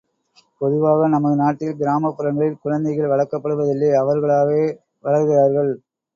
பொதுவாக நமது நாட்டில் கிராமப் புறங்களில் குழந்தைகள் வளர்க்கப்படுவதில்லை அவர்களாகவே வளர்கிறார்கள்.